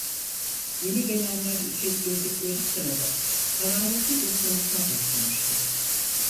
Yeni gelenler içeri girdikleri sırada hararetli bir konuşma başlamıştı.